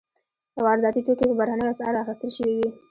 وارداتي توکي په بهرنیو اسعارو اخیستل شوي وي.